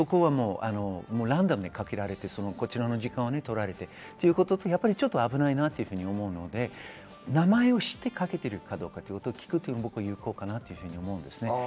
ランダムにかけられて、こちらの時間を取られてということと、危ないなと思うので、名前を知ってかけているかどうかを聞くということが有効かと思います。